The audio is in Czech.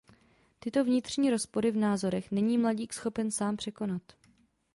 Tyto vnitřní rozpory v názorech není mladík schopen sám překonat.